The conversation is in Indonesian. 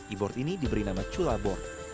e board ini diberi nama cula board